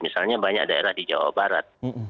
misalnya banyak daerah di jawa barat